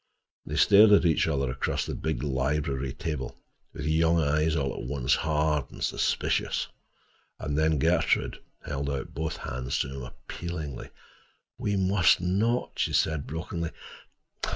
They stared at each other across the big library table, with young eyes all at once hard, suspicious. And then Gertrude held out both hands to him appealingly. "We must not," she said brokenly.